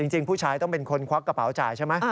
จริงผู้ชายต้องเป็นคนควักกระเป๋าจ่ายใช่ไหม